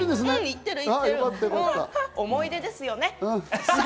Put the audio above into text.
いい思い出ですよね。